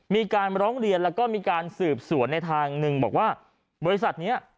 มีการร้องเรียนแล้วก็มีการสืบสวนในทางหนึ่งบอกว่าบริษัทนี้